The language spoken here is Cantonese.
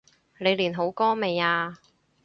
你練好歌未呀？